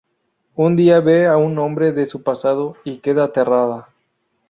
Un día ve a un hombre de su pasado y queda aterrada.